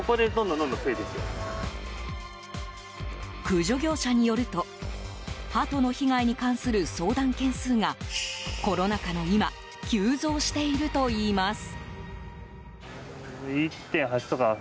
駆除業者によるとハトの被害に関する相談件数がコロナ禍の今急増しているといいます。